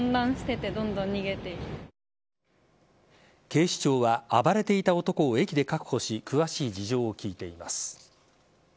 警視庁は暴れていた男を駅で確保し詳しい事情を聴いています。